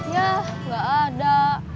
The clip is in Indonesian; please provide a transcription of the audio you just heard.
yah gak ada